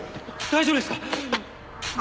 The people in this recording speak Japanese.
大丈夫ですか！？